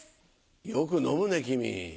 よく飲むね君。